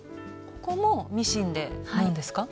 ここもミシンで縫うんですか？